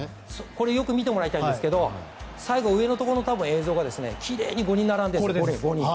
これをよく見てもらいたいんですが最後、上のところの映像が奇麗に５人並んでいるんです。